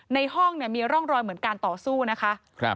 ในห้องเนี่ยมีร่องรอยเหมือนการต่อสู้นะคะ